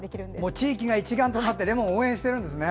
地域が一丸となってレモンを応援しているんですね。